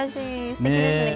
すてきですね。